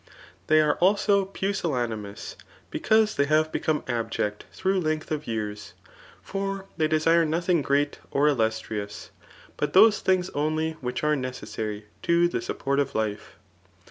They are also pusillammpus, becMse they faaYe bec^e CHAP. 3tV. i^HETOklC* 149 abject through length of years; for they desire nothing great or illustrious, but those things only which are necessary to the support ^f life.